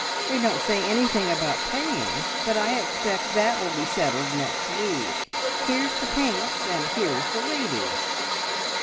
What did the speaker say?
They don't say anything about paying, but I expect that will be settled next week. Here's the paints, and here's the lady!"